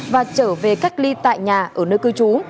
và trở về cách ly tại nhà ở nơi cư trú